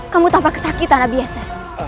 kamu tanpa kesakitan abiasa